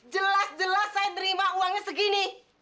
jelas jelas saya nerima uangnya segini